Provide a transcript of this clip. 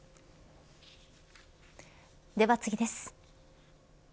では次です。